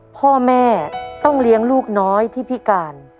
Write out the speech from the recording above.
พ่อแม่ต้องเลี้ยงลูกน้อยที่พิการ